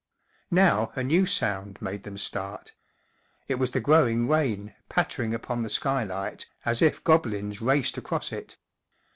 Now a new sound made them start. It was the growing rain, pattering upon the skylight, as if goblins raced across it.